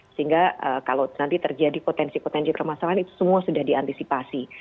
sehingga kalau nanti terjadi potensi potensi permasalahan itu semua sudah diantisipasi